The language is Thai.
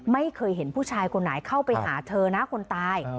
ไม่เคยเห็นผู้ชายคนไหนเข้าไปหาเธอนะคนตาย